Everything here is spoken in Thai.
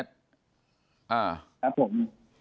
ครับผม